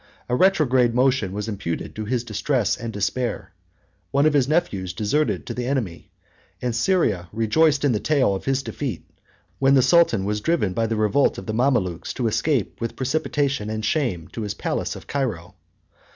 A retrograde motion was imputed to his distress and despair: one of his nephews deserted to the enemy; and Syria rejoiced in the tale of his defeat, when the sultan was driven by the revolt of the Mamalukes to escape with precipitation and shame to his palace of Cairo.